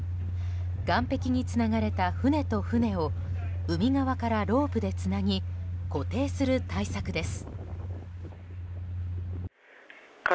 岸壁につながれた船と船を海側からロープでつなぎ固定する対策です。